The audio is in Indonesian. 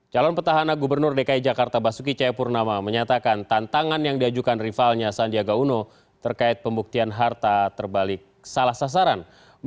calon petahana gubernur dki jakarta basuki cayapurnama menyatakan tantangan yang diajukan rivalnya sandiaga uno terkait pembuktian harta terbalik salah sasaran